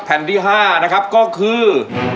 แผ่นที่๕นะครับก็คือ